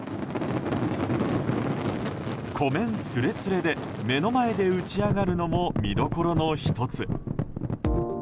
湖面すれすれで目の前で打ち上がるのも見どころの１つ。